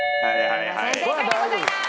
皆さん正解でございます。